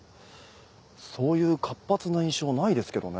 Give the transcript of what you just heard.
そういう活発な印象ないですけどね